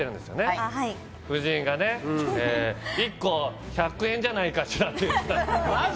はいはい１個１００円じゃないかしらって言ってたマジ？